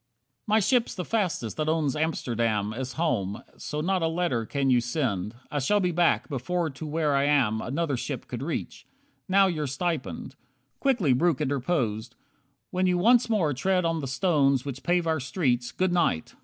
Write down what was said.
20 My ship's the fastest that owns Amsterdam As home, so not a letter can you send. I shall be back, before to where I am Another ship could reach. Now your stipend " Quickly Breuck interposed. "When you once more Tread on the stones which pave our streets. Good night!